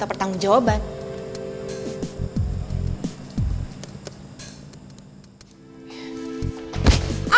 apa aku langsung masuk aja ya